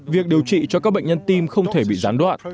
việc điều trị cho các bệnh nhân tim không thể bị gián đoạn